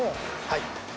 はい。